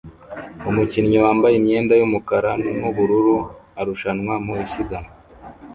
Umukinnyi wambaye imyenda yumukara nubururu arushanwa mu isiganwa